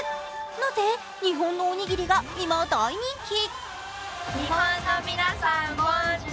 なぜ日本のおにぎりが今、大人気？